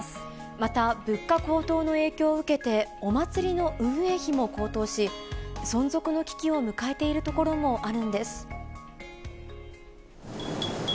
また、物価高騰の影響を受けて、お祭りの運営費も高騰し、存続の危機を迎えている所もあるんです。